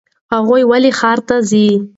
هغه ولې ښار ته ځي ؟